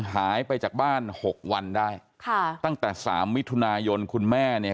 หายไปจากบ้านหกวันได้ค่ะตั้งแต่สามมิถุนายนคุณแม่เนี่ย